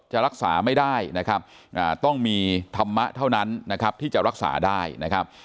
จะรักษาไม่ได้นะครับต้องมีธรรมะเท่านั้นนะครับที่จะรักษาได้นะครับ